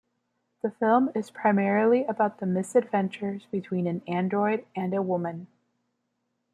This film is primarily about the misadventures between an android and a woman.